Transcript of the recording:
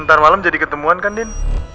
ntar malam jadi ketemuan kan din